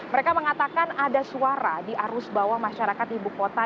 mereka mengatakan ada suara di arus bawah masyarakat ibu kota